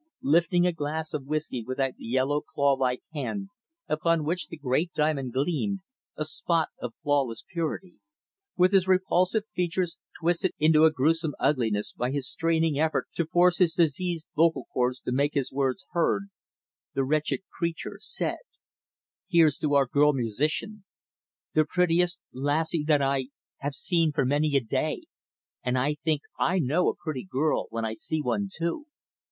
Lifting a glass of whisky with that yellow, claw like hand upon which the great diamond gleamed a spot of flawless purity; with his repulsive features twisted into a grewsome ugliness by his straining effort to force his diseased vocal chords to make his words heard; the wretched creature said: "Here's to our girl musician. The prettiest lassie that I have seen for many a day and I think I know a pretty girl when I see one too.